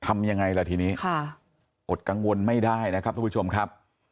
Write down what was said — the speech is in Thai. ทำยังไงล่ะทีนี้อดกังวลไม่ได้นะครับทุกผู้ชมครับ